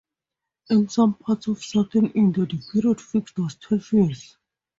In some parts of southern India the period fixed was twelve years.